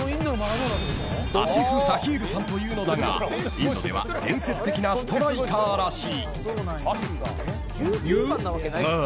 アシフ・サヒールさんというのだがインドでは伝説的なストライカーらしい。